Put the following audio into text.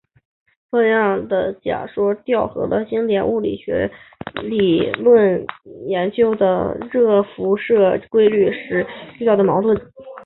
这样的假说调和了经典物理学理论研究热辐射规律时遇到的矛盾。